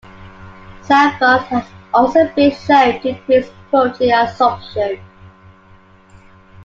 Sainfoin has also been shown to increase protein absorption.